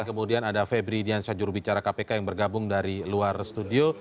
kemudian ada febri diansyah jurubicara kpk yang bergabung dari luar studio